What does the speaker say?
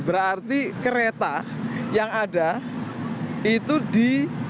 berarti kereta yang ada itu di